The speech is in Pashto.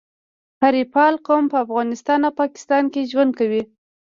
حریفال قوم په افغانستان او پاکستان کي ژوند کوي.